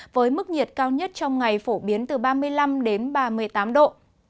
với mức nhiệt cao nhất trong ngày phổ biến từ ba mươi năm đến ba mươi tám độ